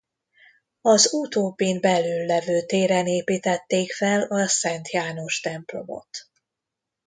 Az utóbbin belül levő téren építették fel a Szent János templomot.